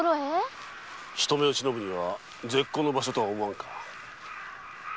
人目を忍ぶには絶好の場所だとは思わんか？